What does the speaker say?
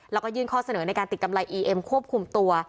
แล้วก็ยื่นข้อเสนอในการติดกำไรอีเอ็มควบคุมตัว